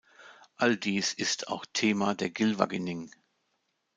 All dies ist auch Thema der Gylfaginning.